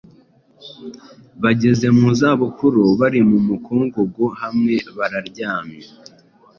bageze mu za bukuru bari mu mukungugu hamwe bararyamye,